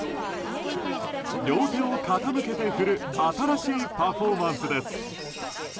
両手を傾けて振る新しいパフォーマンスです。